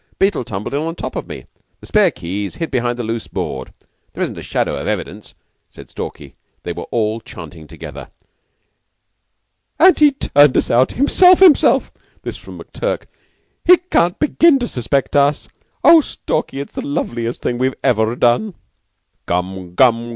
Beetle tumbled in on top of me. The spare key's hid behind the loose board. There isn't a shadow of evidence," said Stalky. They were all chanting together. "And he turned us out himself himself him_self_!" This from McTurk. "He can't begin to suspect us. Oh, Stalky, it's the loveliest thing we've ever done." "Gum! Gum!